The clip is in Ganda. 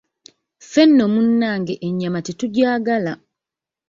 Ffe nno munange ennyama tetugyagala.